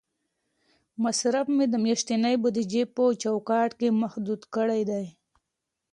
مصرف مې د میاشتنۍ بودیجې په چوکاټ کې محدود کړی دی.